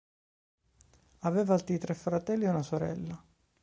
Aveva altri tre fratelli e una sorella.